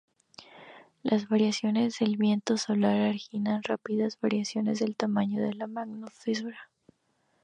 Las variaciones del viento solar originan rápidas variaciones en tamaño de la magnetosfera.